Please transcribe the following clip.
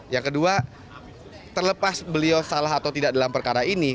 yang kedua terlepas beliau salah atau tidak dalam perkara ini